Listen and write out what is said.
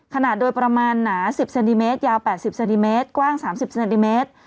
ขนาดโดยประมาณหนาสิบเซนติเมตรยาวแปดสิบเซนติเมตรกว้างสามสิบเซนติเมตร